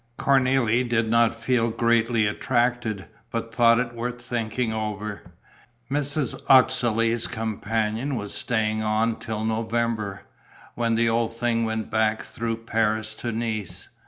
Cornélie did not feel greatly attracted, but thought it worth thinking over. Mrs. Uxeley's companion was staying on till November, when the old thing went back through Paris to Nice.